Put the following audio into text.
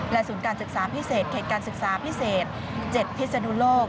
ศูนย์การศึกษาพิเศษเขตการศึกษาพิเศษ๗พิศนุโลก